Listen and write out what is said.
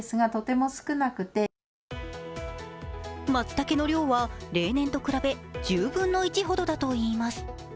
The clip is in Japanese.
まつたけの量は例年と比べ１０分の１ほどだといいます。